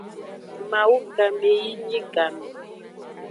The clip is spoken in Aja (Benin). Mawu game yi nyi game.